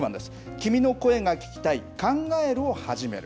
君の声が聴きたい考えるをはじめる。